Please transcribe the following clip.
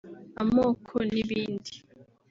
amoko n’ibindi